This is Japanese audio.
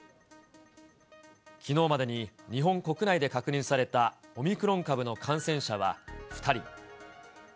きのうまでに日本国内で確認されたオミクロン株の感染者は２人。